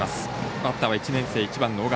バッターは１年生、１番の緒方。